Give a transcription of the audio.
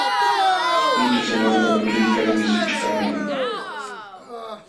Mitu sananpa puliykalmi sućhkaqlun.